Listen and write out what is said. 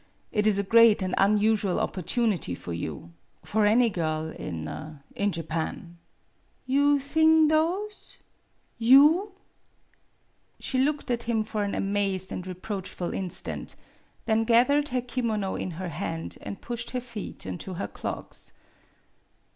It is a great and unusual opportunity for you for any girl in in Japan." " You thing those ? You ?" She looked at him for an amazed and re proachful instant; then gathered her kimono in her hand, and pushed her feet into her clogs.